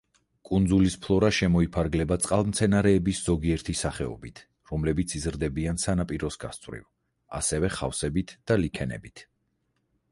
კუნძულის ფლორა შემოიფარგლება წყალმცენარეების ზოგიერთი სახეობით, რომლებიც იზრდებიან სანაპიროს გასწვრივ, ასევე ხავსებით და ლიქენებით.